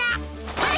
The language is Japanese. はい！